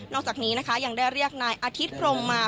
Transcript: อกจากนี้นะคะยังได้เรียกนายอาทิตย์พรมมา